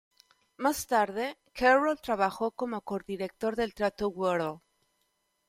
Más tarde, Carroll trabajó como co-director del Teatro de Warhol.